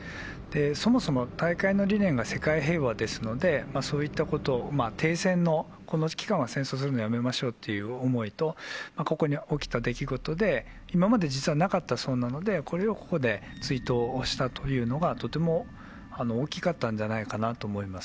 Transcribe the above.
そもそも大会の理念が世界平和ですので、そういったこと、停戦の、この期間は戦争するのをやめましょうっていう思いと、ここに起きた出来事で、今まで実はなかったそうなので、これをここで追悼したというのが、とても大きかったんじゃないかなと思います。